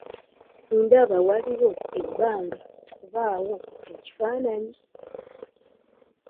Ndaba waliwo ebanga kubawo ekifanannyi.